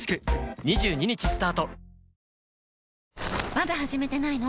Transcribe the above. まだ始めてないの？